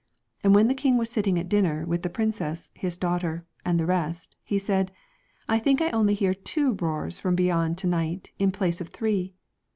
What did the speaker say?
And when the king was sitting at dinner with the princess, his daughter, and the rest, he said, ' I think I only hear two roars from beyond to night in place of three.'